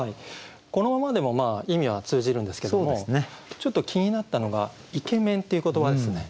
このままでも意味は通じるんですけどもちょっと気になったのが「イケメン」っていう言葉ですね。